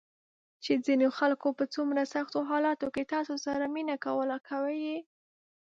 چې ځینو خلکو په څومره سختو حالاتو کې تاسو سره مینه کوله، کوي یې ~